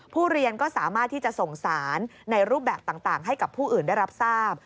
เรียนก็สามารถที่จะส่งสารในรูปแบบต่างให้กับผู้อื่นได้รับทราบ